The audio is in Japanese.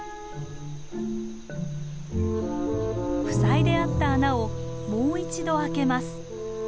塞いであった穴をもう一度開けます。